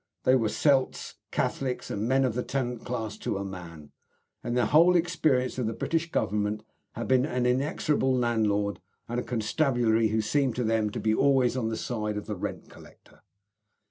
They were Celts, Catholics, and men of the tenant class to a man; and their whole experience of the British Government had been an inexorable landlord, and a constabulary who seemed to them to be always on the side of the rent collector.